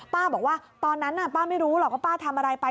ป้าบอกว่าตอนนั้นป้าไม่รู้หรอกว่าป้าทำอะไรไป